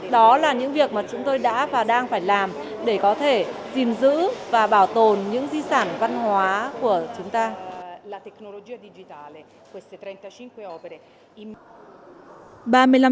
đó là những việc mà chúng tôi đã và đang phải làm để có thể gìn giữ và bảo tồn những di sản văn hóa của chúng ta